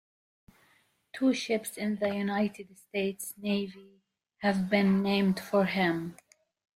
Two ships in the United States Navy have been named for him.